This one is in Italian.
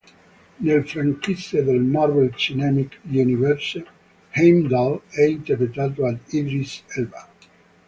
Nel franchise del Marvel Cinematic Universe, Heimdall è interpretato da Idris Elba.